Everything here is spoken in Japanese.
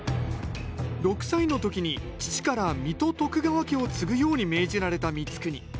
６歳の時に父から水戸徳川家を継ぐように命じられた光圀。